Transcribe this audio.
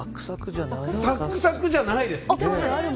サックサクじゃないです。